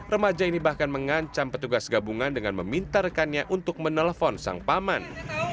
remaja ini bahkan mengancam petugas gabungan dengan meminta rekannya untuk menelpon sang paman